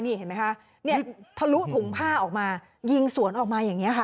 นี่เห็นไหมคะเนี่ยทะลุถุงผ้าออกมายิงสวนออกมาอย่างนี้ค่ะ